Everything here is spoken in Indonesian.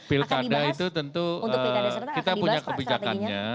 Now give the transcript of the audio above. pilkada itu tentu kita punya kebijakannya